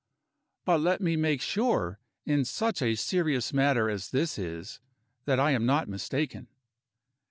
"But let me make sure, in such a serious matter as this is, that I am not mistaken.